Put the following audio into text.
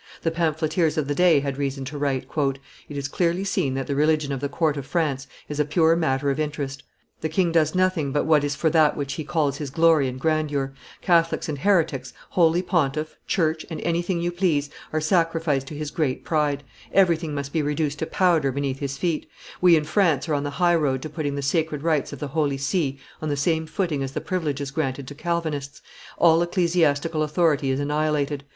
The pamphleteers of the day had reason to write, "It is clearly seen that the religion of the court of France is a pure matter of interest; the king does nothing but what is for that which he calls his glory and grandeur; Catholics and heretics, Holy Pontiff, church, and anything you please, are sacrificed to his great pride; everything must be reduced to powder beneath his feet; we in France are on the high road to putting the sacred rights of the Holy See on the same footing as the privileges granted to Calvinists; all ecclesiastical authority is annihilated.